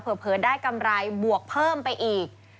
เผลอได้กำไรบวกเพิ่มไปอีก